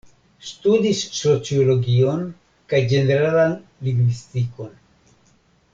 Studis sociologion kaj ĝeneralan lingvistikon.